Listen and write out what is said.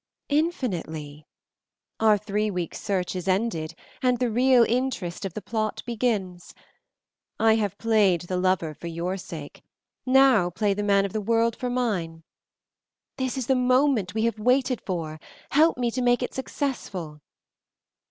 "Infinitely; our three weeks' search is ended, and the real interest of the plot begins. I have played the lover for your sake, now play the man of the world for mine. This is the moment we have waited for. Help me to make it successful.